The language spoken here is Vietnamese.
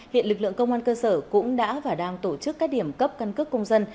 hiện lực lượng công an cơ sở cũng đã và đang tổ chức các điểm cấp căn cước công dân